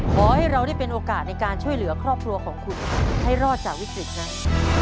ขอให้เราได้เป็นโอกาสในการช่วยเหลือครอบครัวของคุณให้รอดจากวิกฤตนั้น